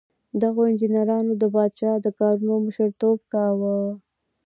دغو انجینرانو د پادشاه د کارونو مشر توب کاوه.